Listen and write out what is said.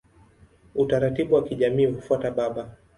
Utaratibu wa kijamii hufuata baba.